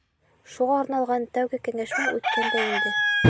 Шуға арналған тәүге кәңәшмә үткән дә инде.